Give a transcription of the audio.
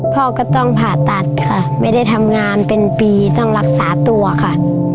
พ่อก็ต้องผ่าตัดค่ะไม่ได้ทำงานเป็นปีต้องรักษาตัวค่ะ